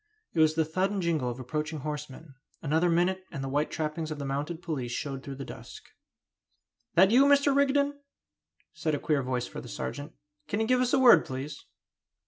It was the thud and jingle of approaching horsemen. Another minute and the white trappings of the mounted police showed through the dusk. "That you, Mr. Rigden?" said a queer voice for the sergeant. "Can you give us a word, please?"